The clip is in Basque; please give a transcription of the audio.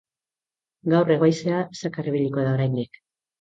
Gaur hego-haizea zakar ibiliko da oraindik.